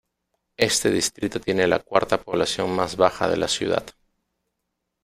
Este distrito tiene la cuarta población más baja de la ciudad.